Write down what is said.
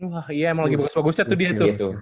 wah iya emang lagi bagus bagusnya tuh dia tuh